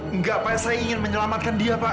enggak pak saya ingin menyelamatkan dia pak